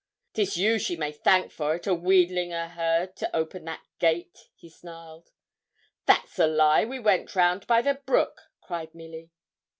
''Tis you she may thank for't, a wheedling o' her to open that gate,' he snarled. 'That's a lie; we went round by the brook,' cried Milly.